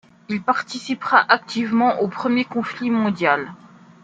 Il participera activement au premier conflit mondial.